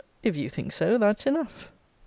If you think so, that's enough. M.